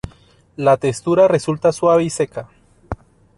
La textura resulta suave y seca.